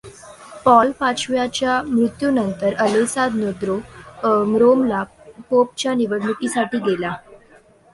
Paul पाचव्याच्या मृत्युनंतर Alessandro रोमला पोपच्या निवडणुकीसाठी गेला.